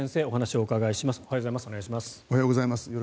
おはようございます。